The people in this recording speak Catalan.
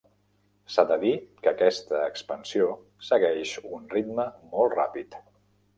S'ha de dir que aquesta expansió segueix un ritme molt ràpid.